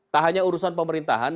tak hanya urusan pemerintahan